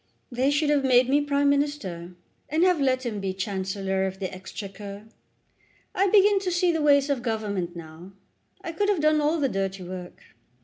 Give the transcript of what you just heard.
"They should have made me Prime Minister, and have let him be Chancellor of the Exchequer. I begin to see the ways of Government now. I could have done all the dirty work.